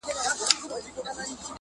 • دا هم له تا جار دی، اې وطنه زوروره،